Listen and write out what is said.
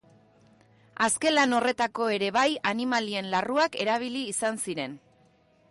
Azken lan horretako ere bai animalien larruak erabili izan ziren.